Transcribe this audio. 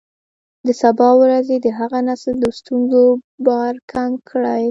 د سبا ورځې د هغه نسل د ستونزو بار کم کړئ.